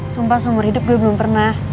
sumpah seumur hidup gue belum pernah